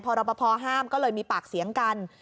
พอรอปภห้ามก็เลยมีปากเสียงกัน